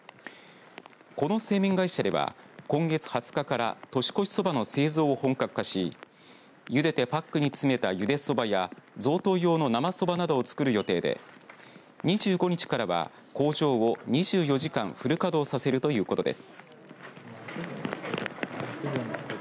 この製麺会社では今月２０日から年越しそばの製造を本格化しゆでてパックに詰めたゆでそばや贈答用の生そばなどをつくる予定で２５日からは工場を２４時間フル稼働させるということです。